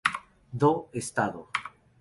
Do Estado.